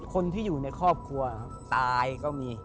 คนที่อยู่ในครอบครัวตายก็มี